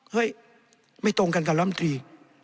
เฮ้ยไม่ตรงกันกับรรมดี